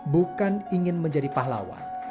bukan ingin menjadi pahlawan